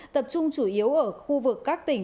tập trung chủ yếu ở khu vực các tỉnh